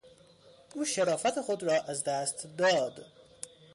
او شرافت خود را از دست داد.